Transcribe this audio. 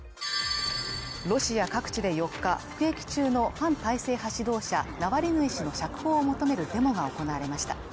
ロシア各地で４日、服役中の反体制派指導者ナワリヌイ氏の釈放を求めるデモが行われました。